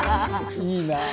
いいなあ！